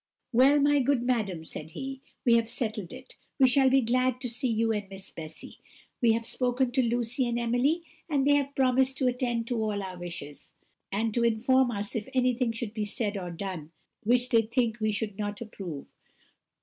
"Well, my good madam," said he, "we have settled it; we shall be glad to see you and Miss Bessy. We have spoken to Lucy and Emily; and they have promised to attend to all our wishes, and to inform us if anything should be said or done which they think we should not approve.